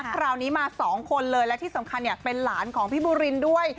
คราวนี้มาสองคนเลยและที่สำคัญเป็นหลานของพี่บูรินด้วย